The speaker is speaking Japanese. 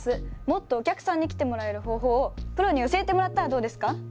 もっとお客さんに来てもらえる方法をプロに教えてもらったらどうですか？